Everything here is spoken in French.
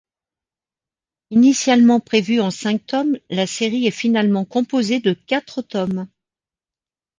Initialement prévue en cinq tomes, la série est finalement composée de quatre tomes.